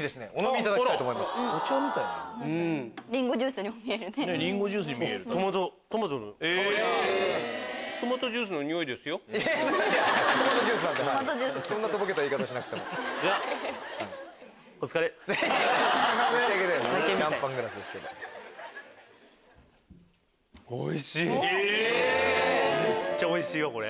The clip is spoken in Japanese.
めっちゃおいしいわこれ。